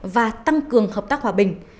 và tăng cường hợp tác hòa bình